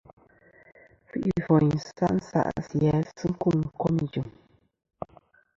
Kfi'ìfòyn sa' nsa'sisɨ̀ a sɨ kum kom ijɨ̀m.